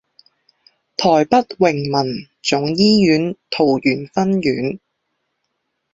台北榮民總醫院桃園分院